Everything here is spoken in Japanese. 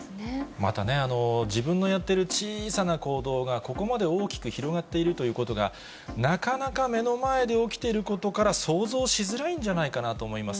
またね、自分のやっている小さな行動が、ここまで大きく広がっているということが、なかなか目の前で起きていることから想像しづらいんじゃないかなと思います。